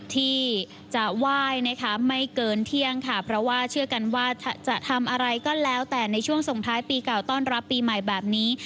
ที่จะไหว้นะคะไม่เกินเที่ยงค่ะเพราะว่าเชื่อกันว่าจะทำอะไรก็แล้วแต่ในช่วงส่งท้ายปีเก่าต้อนรับปีใหม่แบบนี้